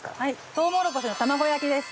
とうもろこしの卵焼きです。